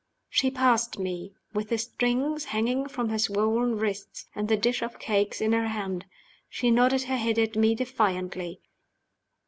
She passed me, with the strings hanging from her swollen wrists, and the dish of cakes in her hand. She nodded her head at me defiantly.